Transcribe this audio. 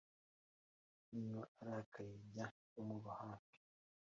niba arakaye jya umuba hafi,